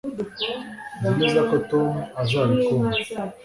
nzi neza ko tom azabikunda